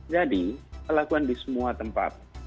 jadi lakukan di semua tempat